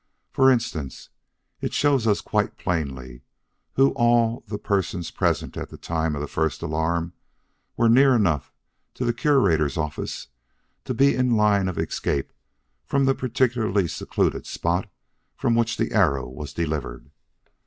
For instance, it shows us quite plainly who of all the persons present at the time of first alarm were near enough to the Curator's office to be in the line of escape from the particularly secluded spot from which the arrow was delivered.